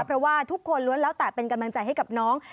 เพราะว่าทุกคนล้วนแล้วแต่เป็นกำลังใจให้กับน้อง